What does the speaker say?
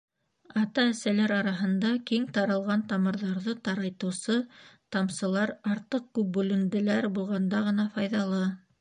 Ата-әсәләр араһында киң таралған тамырҙарҙы тарайтыусы тамсылар артыҡ күп бүленделәр булғанда ғына файҙалы.